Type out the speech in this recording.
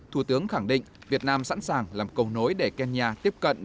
thủ tướng khẳng định việt nam sẵn sàng làm cầu nối để kenya tiếp cận